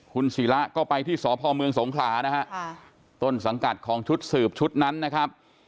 คุณศิระก็ไปที่สพเมืองสงขลานะฮะต้นสังกัดของชุดสืบชุดนั้นนะครับ